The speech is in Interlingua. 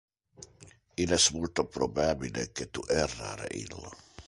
Il es multo probabile que tu erra re illo.